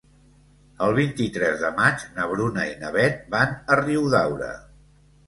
El vint-i-tres de maig na Bruna i na Beth van a Riudaura.